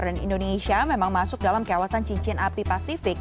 dan indonesia memang masuk dalam kawasan cincin api pasifik